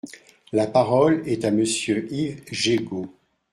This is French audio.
La parole est à Monsieur Yves Jégo.